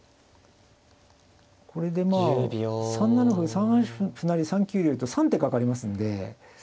これでまあ３七歩３八歩成３九竜と３手かかりますんで。